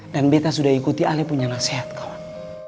dan betta sudah ikuti ali punya nasihat kawan